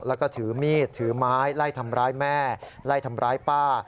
แล้วก็ถือมีดถือไม้ไล่ทำร้ายแม่ไล่ทำร้ายป้า